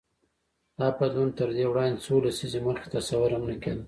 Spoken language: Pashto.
دا بدلون تر دې وړاندې څو لسیزې مخکې تصور هم نه کېده.